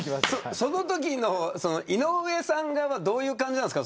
そのときの井上さんはどういう感じなんですか。